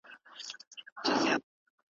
کله ورور کله مو زوی راته تربوری دی,